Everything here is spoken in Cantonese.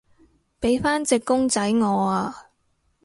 畀返隻公仔我啊